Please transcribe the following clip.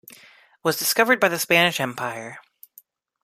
Was discovered by the Spanish empire.